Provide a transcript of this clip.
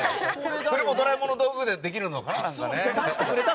それもドラえもんの道具でできるのかな。